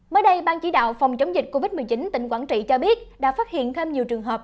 mới đây ban chỉ đạo phòng chống dịch covid một mươi chín tỉnh quảng trị cho biết đã phát hiện thêm nhiều trường hợp